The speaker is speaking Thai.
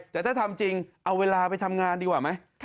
แต่ถ้าทำจริงเอาเวลาไปทำงานดีกว่าไหม